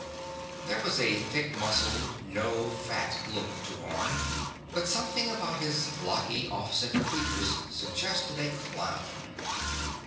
There was a thick muscled, no fat look to Orne, but something about his blocky, off center features suggested a clown.